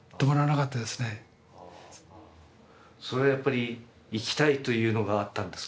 それはやっぱり生きたいというのがあったんですか？